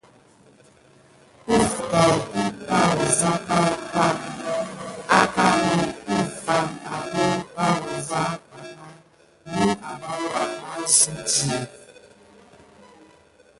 Delva tät kisgəl pay pak kinze akani def adà wuza bà mi adara nasum di.